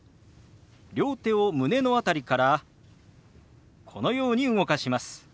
両手を胸の辺りからこのように動かします。